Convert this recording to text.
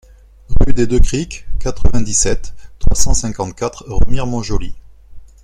Rue des Deux Criques, quatre-vingt-dix-sept, trois cent cinquante-quatre Remire-Montjoly